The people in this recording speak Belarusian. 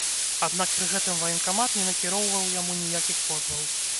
Аднак пры гэтым ваенкамат не накіроўваў яму ніякіх позваў.